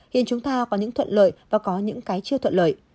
khiến chúng ta có những thuận lợi và có những cái chưa thuận lợi